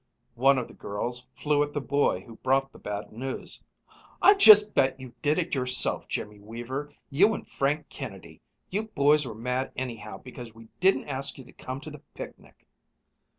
One of the girls flew at the boy who brought the bad news. "I just bet you did it yourself, Jimmy Weaver, you an' Frank Kennedy. You boys were mad anyhow because we didn't ask you to come to the picnic."